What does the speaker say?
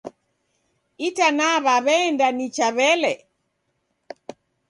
Itanaa waw'eenda nicha wele.